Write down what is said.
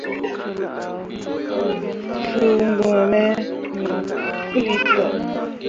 Suu gbǝ̃ǝ̃ me no puli tah.